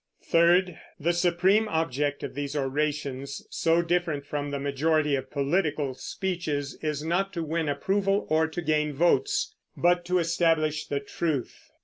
Third, the supreme object of these orations, so different from the majority of political speeches, is not to win approval or to gain votes, but to establish the truth.